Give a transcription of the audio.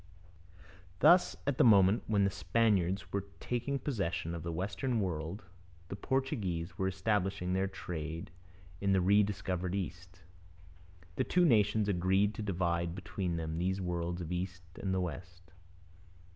Thus at the moment when the Spaniards were taking possession of the western world the Portuguese were establishing their trade in the rediscovered East. The two nations agreed to divide between them these worlds of the East and the West.